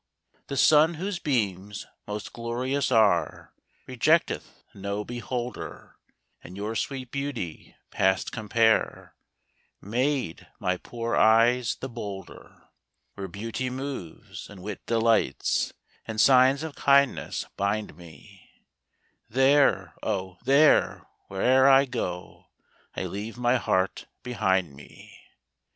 The sun whose beams most glorious are, Rejecteth no beholder, And your sweet beauty past compare, Made my poor eyes the bolder. Where beauty moves, and wit delights And signs of kindness bind me, There, oh! there, where'er I go I leave my heart behind me.